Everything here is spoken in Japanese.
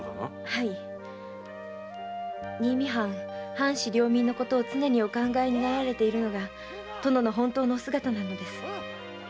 はい新見藩藩士領民のことを常にお考えになられているのが殿の本当のお姿なのです。